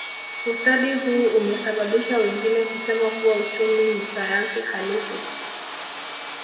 Ustadi huu umesababisha wengine kusema kuwa uchumi ni sayansi halisi